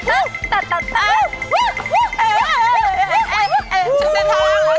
หุ้อมาดีครับคุณผู้ชมค่ะ